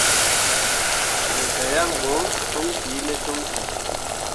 Me gah yan bo no com kine comki.